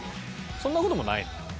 そんな事もないの？